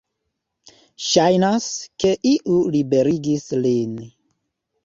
Ŝajnas, ke iu liberigis lin.